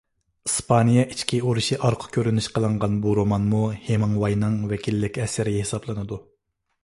ئىسپانىيە ئىچكى ئۇرۇشى ئارقا كۆرۈنۈش قىلىنغان بۇ رومانمۇ ھېمىڭۋاينىڭ ۋەكىللىك ئەسىرى ھېسابلىنىدۇ.